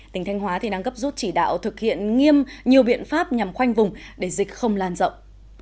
tỉnh thanh hóa đang gấp rút chỉ đạo thực hiện nghiêm nhiều biện pháp nhằm khoanh vùng để dịch không lan rộng